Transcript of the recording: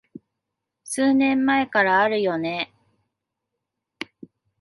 数年前からあるよね